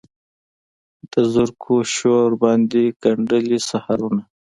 د زرکو شور باندې ګندلې سحرونه